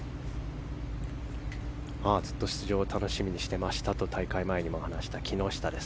ずっと出場を楽しみにしていましたと大会前に話していた木下です。